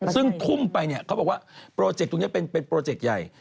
ซึ่งทุ่มไปเนี่ยเขาบอกว่าโปรเจกต์ตรงนี้เป็นโปรเจกต์ใหญ่